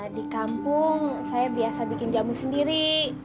di kampung saya biasa bikin jamu sendiri